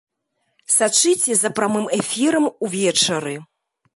Сачыце за прамым эфірам увечары!